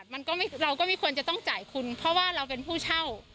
มันก็เราก็ไม่ควรจะต้องจ่ายคุณเพราะว่าเราเป็นผู้เช่า